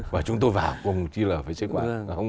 và chúng tôi vào cùng chia lửa với sứ quán